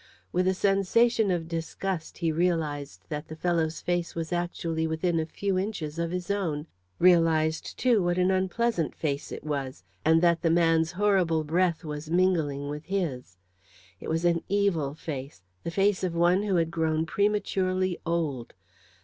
With a sensation of disgust he realised that the fellow's face was actually within a few inches of his own realised, too, what an unpleasant face it was, and that the man's horrible breath was mingling with his. It was an evil face, the face of one who had grown prematurely old.